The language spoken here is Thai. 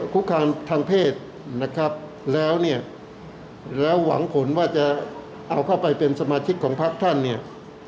คุกคามทางเพศนะครับแล้วเนี่ยแล้วหวังผลว่าจะเอาเข้าไปเป็นสมาชิกของพักท่านเนี่ย